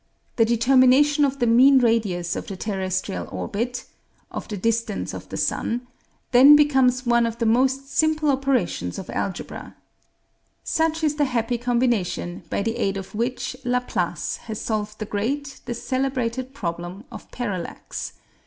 The determination of the mean radius of the terrestrial orbit of the distance of the sun then becomes one of the most simple operations of algebra. Such is the happy combination by the aid of which Laplace has solved the great, the celebrated problem of parallax.